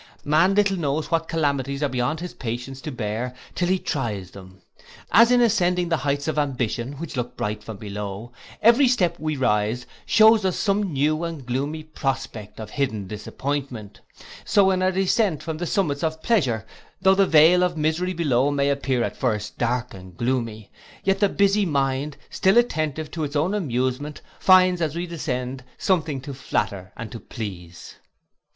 Man little knows what calamities are beyond his patience to bear till he tries them; as in ascending the heights of ambition, which look bright from below, every step we rise shews us some new and gloomy prospect of hidden disappointment; so in our descent from the summits of pleasure, though the vale of misery below may appear at first dark and gloomy, yet the busy mind, still attentive to its own amusement, finds as we descend something to flatter and to please.